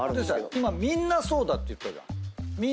今みんなそうだって言ったじゃん。